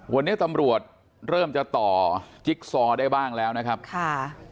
วันนี้ตำรวจเริ่มจะต่อจิ๊กซอได้บ้างแล้วนะครับค่ะ